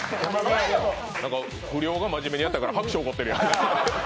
不良が真面目にやったから、拍手起こってるやん。